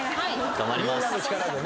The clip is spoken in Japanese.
頑張ります。